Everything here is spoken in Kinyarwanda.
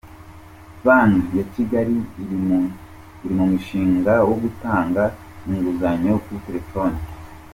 Banki ya Kigali iri mu mushinga wo gutanga inguzanyo kuri telefone.